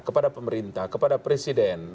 kepada pemerintah kepada presiden